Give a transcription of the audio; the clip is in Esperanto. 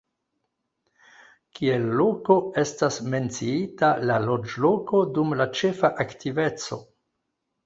Kiel loko estas menciita la loĝloko dum la ĉefa aktiveco.